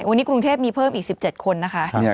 วันนี้กรุงเทพมีเพิ่มอีก๑๗คนนะคะ